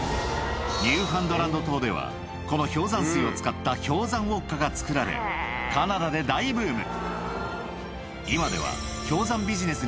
ニューファンドランド島ではこの氷山水を使った氷山ウオッカが作られカナダで大ブーム